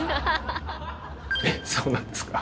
えっそうなんですか？